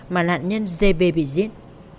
mà nạn nhân gb bị giết